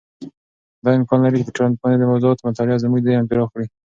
دا امکان لري چې د ټولنپوهنې د موضوعاتو مطالعه زموږ ذهن پراخ کړي.